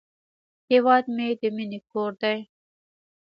هیواد مې د مینې کور دی